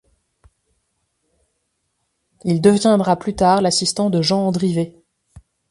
Il deviendra plus tard l'assistant de Jean Andrivet.